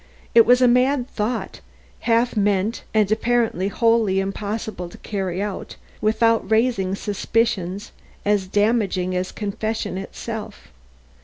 It was a mad thought, half meant and apparently wholly impossible to carry out without raising suspicions as damaging as confession itself.